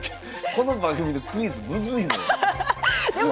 この番組のクイズむずいのよ。